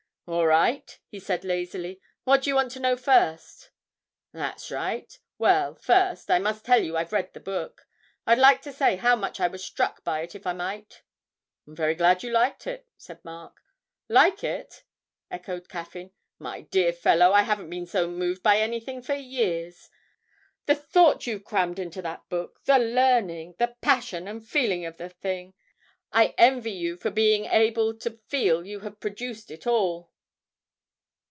'All right,' he said lazily; 'what do you want to know first?' 'That's right. Well, first, I must tell you I've read the book. I'd like to say how much I was struck by it if I might.' 'I'm very glad you liked it,' said Mark. 'Like it?' echoed Caffyn; 'my dear fellow, I haven't been so moved by anything for years. The thought you've crammed into that book, the learning, the passion and feeling of the thing! I envy you for being able to feel you have produced it all.'